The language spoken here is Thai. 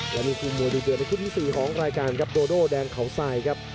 และนี่คือมวยดีเดือในคู่ที่๔ของรายการครับโดโดแดงเขาทรายครับ